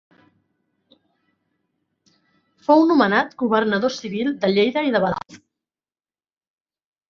Fou nomenat governador civil de Lleida i de Badajoz.